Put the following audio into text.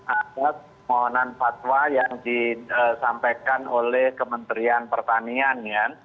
atas mohonan fatwa yang disampaikan oleh kementerian pertanian ya